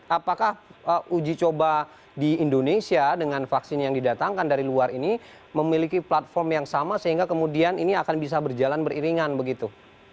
apakah uji coba di indonesia dengan vaksin yang didatangkan dari luar ini memiliki platform yang sama sehingga kemudian ini akan bisa berjalan beriringan begitu